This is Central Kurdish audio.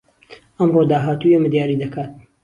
ئەمڕۆ داهاتووی ئێمە دیاری دەکات